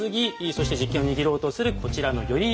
そして実権を握ろうとするこちらの頼家派。